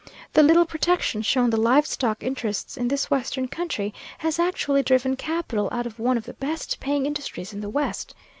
The little protection shown the livestock interests in this western country has actually driven capital out of one of the best paying industries in the West.